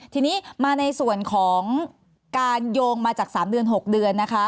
ทีนี้มาในส่วนของการโยงมาจาก๓เดือน๖เดือนนะคะ